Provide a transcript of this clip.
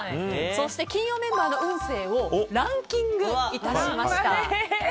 そして金曜メンバーの運勢をランキングいたしました。